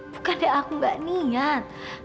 bukan ya aku gak niat